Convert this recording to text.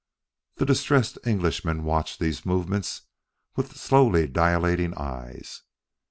The distressed Englishman watched these movements with slowly dilating eyes.